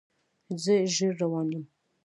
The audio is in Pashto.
زه ژر روان یم